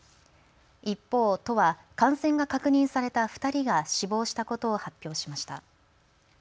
一方、都は感染が確認された２人が死亡したことを発表しました。